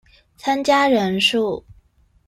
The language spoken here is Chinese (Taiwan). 參加人數